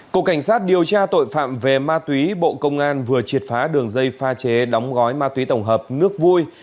cục cảnh sát điều tra tội phạm về ma túy bộ công an vừa triệt phá đường dây pha chế đóng gói ma túy tổng hợp nước vui